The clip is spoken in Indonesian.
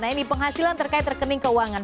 nah ini penghasilan terkait rekening keuangan